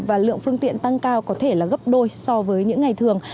và lượng phương tiện tăng cao có thể là gấp đôi so với những ngày thường